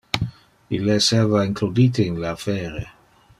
Ille esseva includite in le affaire.